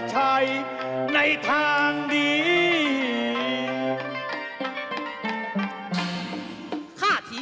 เสาคำยันอาวุธิ